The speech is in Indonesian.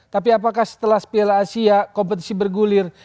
tapi apakah setelah piala asia kompetisi bergulir